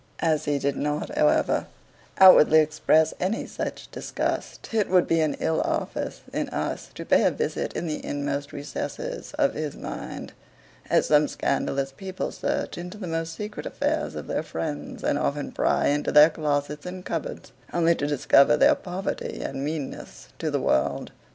As he did not, however, outwardly express any such disgust, it would be an ill office in us to pay a visit to the inmost recesses of his mind, as some scandalous people search into the most secret affairs of their friends, and often pry into their closets and cupboards, only to discover their poverty and meanness to the world.